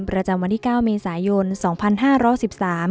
ประจำวันที่เก้าเมษายนสองพันห้าร้อยสิบสาม